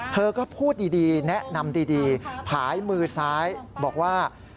เธอก็พูดดีแนะนำดีผายมือซ้ายบอกว่า